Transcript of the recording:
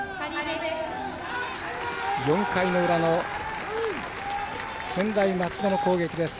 ４回の裏の専大松戸の攻撃です。